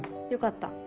よかった。